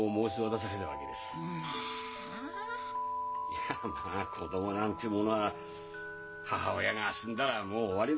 いやまあ子供なんてものは母親が死んだらもう終わりです。